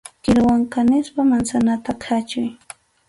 Kiruwan kanispa mansanata khachuy.